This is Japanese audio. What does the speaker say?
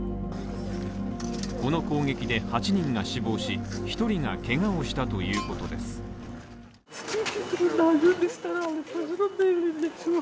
この攻撃で８人が死亡し、１人がけがをしたということです。